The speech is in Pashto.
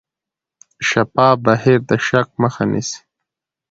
شفاف بهیر د شک مخه نیسي.